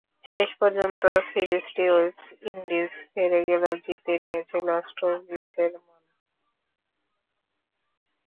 শেষ পর্যন্ত সিরিজটি ওয়েস্ট ইন্ডিজ হেরে গেলেও জিতে নিয়েছিল অস্ট্রেলীয়দের মন।